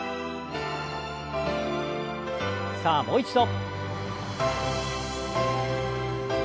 さあもう一度。